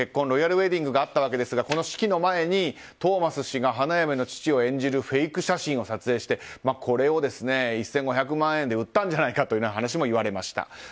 ロイヤルウェディングがあったわけですが式の前に、トーマス氏が花嫁の父を演じるフェイク写真を撮影してこれを１５００万円で売ったんじゃないかという話も言われました。